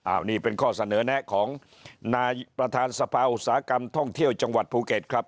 อันนี้เป็นข้อเสนอแนะของนายประธานสภาอุตสาหกรรมท่องเที่ยวจังหวัดภูเก็ตครับ